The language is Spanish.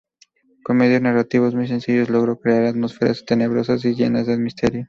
Con medios narrativos muy sencillos logró crear atmósferas tenebrosas y llenas de misterio.